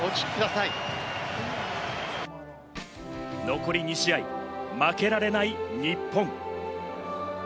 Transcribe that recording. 残り２試合、負けられない日本。